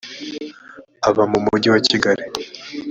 aba mu mujyi wa kigali .